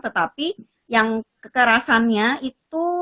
tetapi yang kekerasannya itu